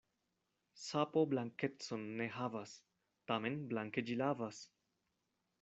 Sapo blankecon ne havas, tamen blanke ĝi lavas.